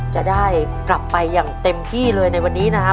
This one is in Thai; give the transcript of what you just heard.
จะได้กลับไปอย่างเต็มที่เลยในวันนี้นะครับ